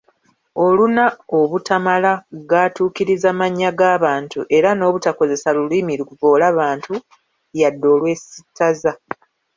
Oluna obutamala gaatuukiriza mannya ga bantu era n’obutakozesa lulimi luvvoola bantu yadde olwesittaza.